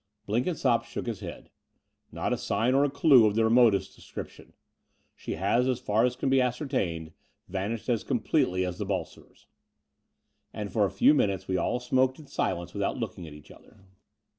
Blenkinsopp shook his head. "Not a sign or a clue of the remotest description. She has, as far as can be ascertained, vanished as completely as the Bolsovers." And for a few minutes we all smoked in silence without looking at each other.